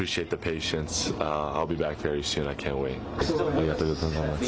ありがとうございます。